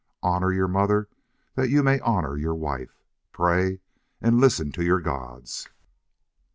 Honor your mother that you may honor your wife. Pray and listen to your gods."